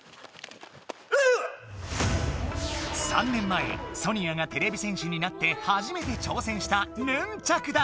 ３年前ソニアがてれび戦士になってはじめて挑戦したヌンチャクだ！